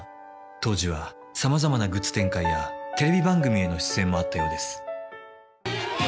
当時はさまざまなグッズ展開やテレビ番組への出演もあったようです。